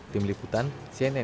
tim liputan cnn indonesia